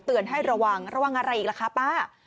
ให้ระวังระวังอะไรอีกล่ะคะป้า